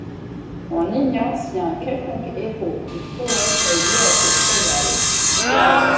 On ignore si un quelconque héros ou poète est lié à ce cheval.